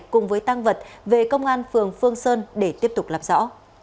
cùng với tăng vật về công an phường phương sơn để tiếp tục làm rõ